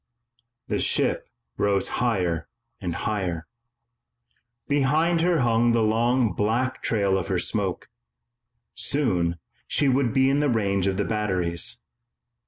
The ship rose higher and higher. Behind her hung the long black trail of her smoke. Soon, she would be in the range of the batteries.